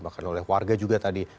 bahkan oleh warga juga tadi